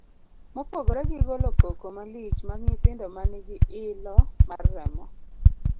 Mopogore gi golo koko malich mag nyithindo ma nigi ilo mar remo